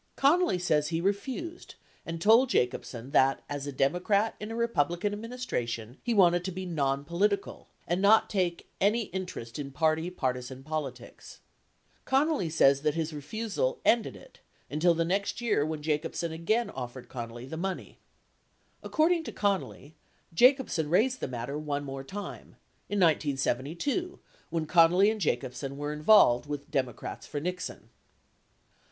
82 Connally says he refused and told Jacobsen that as a Democrat in a Republican administration he wanted to be "nonpolitical" and not take "any inter est in party partisan politics .. Connally says that his refusal "ended it" 83 until the next year when Jacobsen again offered Connally the money. According to Connally, Jacobsen raised the matter one more time — in 1972 when Connally and Jacobsen were involved with Democrats for Nixon.